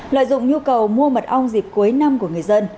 lợi dụng nhu cầu mua mật ong dịp cuối năm của người dân